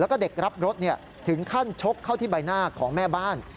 แล้วก็เด็กรับรถถึงขั้นชกเข้าที่ใบหน้าของแม่บ้าน